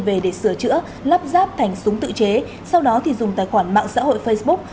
về để sửa chữa lắp ráp thành súng tự chế sau đó thì dùng tài khoản mạng xã hội facebook